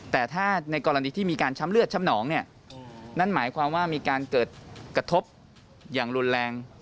แต่ถ้าในกรณีที่มีการช้ำเลือดช้ำหนองเนี่ยนั่นหมายความว่ามีการเกิดกระทบอย่างรุนแรง